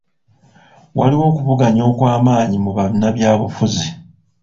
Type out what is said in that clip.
Waliwo okuvuganya okw'amanyi mu bannabyabufuzi.